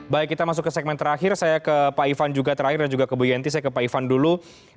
baik kita masuk ke segmen terakhir saya ke pak ivan juga terakhir dan juga ke bu yenti saya ke pak ivan dulu